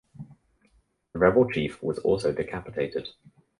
The rebel chief was also decapitated.